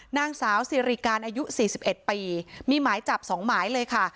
นางสาวสิริการอายุสี่สิบเอ็ดปีมีหมายจับสองหมายเลยค่ะ